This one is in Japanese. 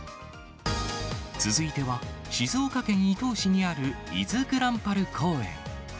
続いては、静岡県伊東市にある伊豆ぐらんぱる公園。